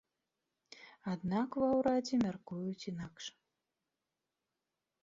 Аднак ва ўрадзе мяркуюць інакш.